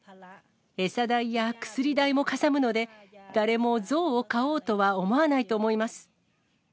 餌代や薬代もかさむので、誰も象を買おうとは思わないと思います。